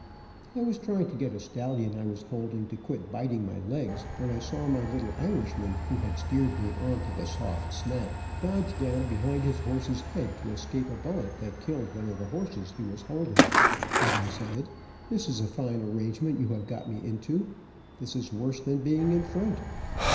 I was trying to get a stallion I was holding to quit biting my legs, when I saw my little Irishman, who had steered me on to the soft snap, dodge down behind his horse's head, to escape a bullet that killed one of the horses he was holding, and I said, "This is a fine arrangement you have got me into. This is worse than being in front."